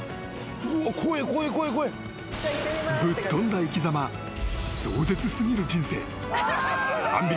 ぶっ飛んだ生きざま壮絶すぎる人生。